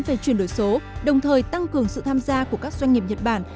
về chuyển đổi số đồng thời tăng cường sự tham gia của các doanh nghiệp nhật bản